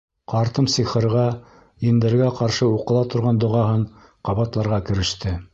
Ҡартым сихырға, ендәргә ҡаршы уҡыла торған доғаһын ҡабатларға кереште.